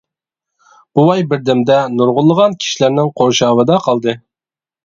بوۋاي بىر دەمدە نۇرغۇنلىغان كىشىلەرنىڭ قورشاۋىدا قالدى.